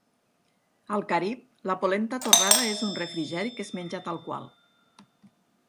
Al Carib, la polenta torrada és un refrigeri que es menja tal qual.